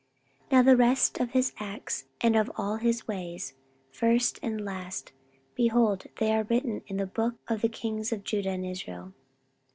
14:028:026 Now the rest of his acts and of all his ways, first and last, behold, they are written in the book of the kings of Judah and Israel.